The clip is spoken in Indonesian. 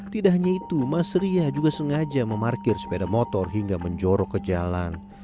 tidak hanya itu mas ria juga sengaja memarkir sepeda motor hingga menjorok ke jalan